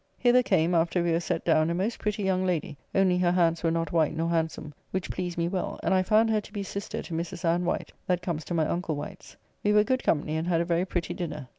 Hither came, after we were set down, a most pretty young lady (only her hands were not white nor handsome), which pleased me well, and I found her to be sister to Mrs. Anne Wight that comes to my uncle Wight's. We were good company, and had a very pretty dinner.